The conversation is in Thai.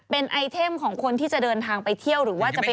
เป็นไอเทมของคนที่จะเดินทางไปเที่ยวหรือว่าจะไป